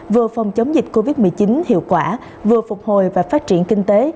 vừa phòng chống dịch covid một mươi chín hiệu quả vừa phục hồi và phát triển kinh tế